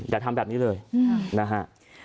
อย่าทำแบบนี้เลยนะฮะ